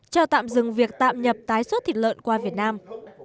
cho tạm dừng việc tạm nhập tái xuất thịt lợn qua việt nam